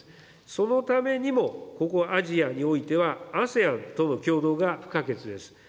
そのためにも、ここアジアにおいては、ＡＳＥＡＮとの協働が不可欠です。